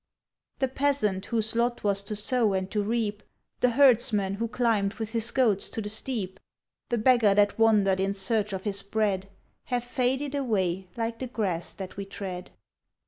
The peasant whose lot was to sow and to reap, The herdsman who climbed with his goats to the steep, The beggar that wandered in search of his bread, Have faded away like the grass that we tread.